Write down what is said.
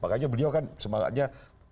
makanya beliau kan semangatnya